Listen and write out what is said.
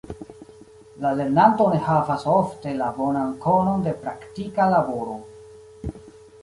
La lernanto ne havas ofte la bonan konon de praktika laboro.